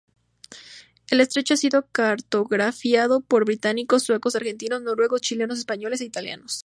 El estrecho ha sido cartografiado por británicos, suecos, argentinos, noruegos, chilenos, españoles e italianos.